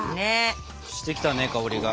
してきたね香りが。